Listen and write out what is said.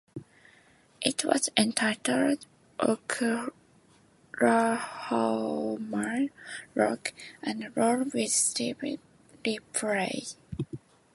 It was entitled Oklahoma Rock and Roll with Steve Ripley.